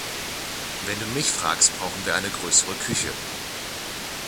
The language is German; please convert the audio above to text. Wenn du mich fragst brauchen wir eine größere Küche.